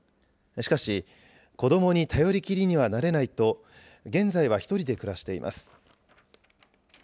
しかし、子どもに頼りきりにはなれないと、現在は１人で暮らしています。